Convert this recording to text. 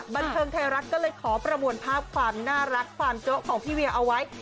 บันเทิงไทยรัฐก็เลยขอประมวลภาพความน่ารักความโจ๊ะของพี่เวียเอาไว้